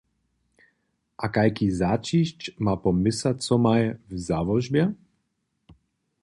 A kajki zaćišć ma po měsacomaj w załožbje?